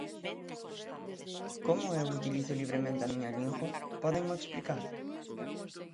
¿Como eu utilizo libremente a miña lingua?, ¿pódenmo explicar?